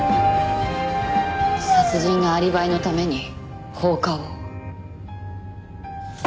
殺人のアリバイのために放火を。